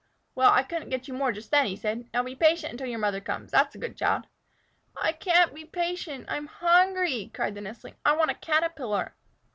"Well, I couldn't get you more just then," he said. "Now be patient until your mother comes. That's a good child." "I can't be patient. I'm hungry," cried the nestling. "I want a Caterpillar."